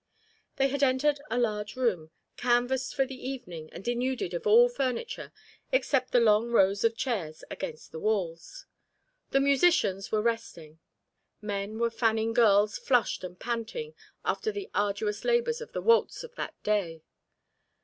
They had entered a large room, canvassed for the evening and denuded of all furniture except the long rows of chairs against the walls. The musicians were resting. Men were fanning girls flushed and panting after the arduous labours of the waltz of that day.